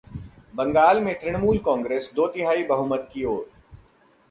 बंगाल में तृणमूल कांग्रेस दो-तिहाई बहुमत की ओर